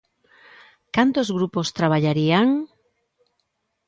¿Cantos grupos traballarían?